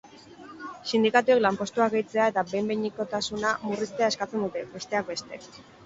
Sindikatuek lanpostuak gehitzea eta behin-behinekotasuna murriztea eskatzen dute, besteak beste.